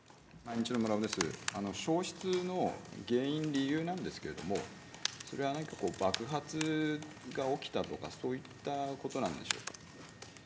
消失の原因、理由なんですけれども、それは何か爆発が起きたとか、そういったことなんでしょうか。